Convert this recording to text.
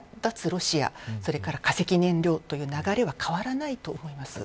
ロシアそれから化石燃料という流れは変わらないと思います。